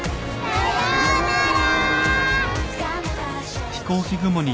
さようなら。